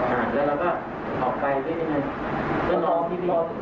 หาเวลาแล้วก็ออกไปที่นี่ไง